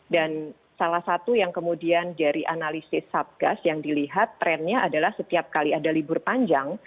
dan salah satu yang kemudian dari analisis satgas yang dilihat trennya adalah setiap kali ada libur panjang